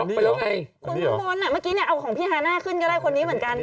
คุณขุมขนแหละเมื่อกี้เนี่ยเอาของพี่ฮาน่าขึ้นก็ได้คนนี้เหมือนกัน